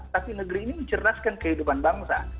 tapi negeri ini mencerdaskan kehidupan bangsa